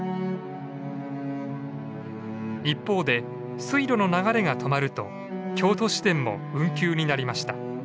一方で水路の流れが止まると京都市電も運休になりました。